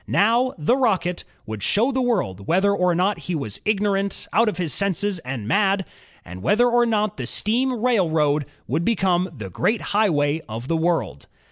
Now, the Rocket would show the world whether or not he was "ignorant," "out of his senses," and "mad," and whether or not the steam railroad would become the "great highway of the world."